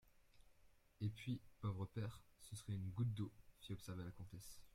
Et puis, pauvre père, ce serait une goutte d'eau, fit observer la comtesse.